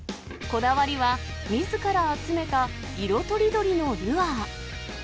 こだわりはみずから集めた色とりどりのルアー。